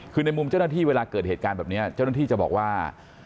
คือในมุมเจ้าหน้าที่เวลาเกิดเหตุการณ์แบบนี้เจ้าหน้าที่จะบอกว่า